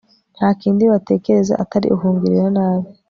nta kindi batekereza atari ukungirira nabi